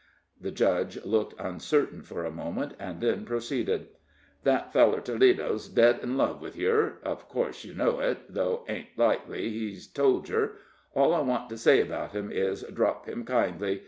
The judge looked uncertain for a moment, and then proceeded: "That feller Toledo's dead in love with yer uv course you know it, though 'tain't likely he's told yer.' All I want to say 'bout him is, drop him kindly.